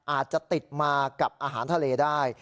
อาจจะติดมากับอาหารทะเลได้